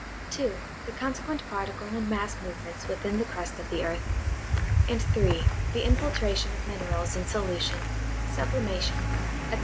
(2) the consequent particle and mass movements within the crust of the earth, and (3) the infiltration of minerals in solution, sublimation, etc.